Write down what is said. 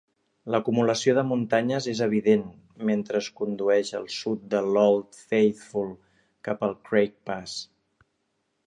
L'acumulació de muntanyes és evident mentre es condueix al sud de l'Old Faithful, cap al Craig Pass.